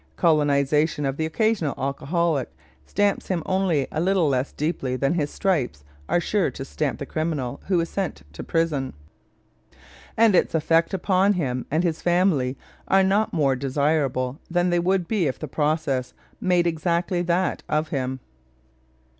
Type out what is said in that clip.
Colonization of the occasional alcoholic stamps him only a little less deeply than his stripes are sure to stamp the criminal who is sent to prison, and its effects upon him and his family are not more desirable than they would be if the process made exactly that of him.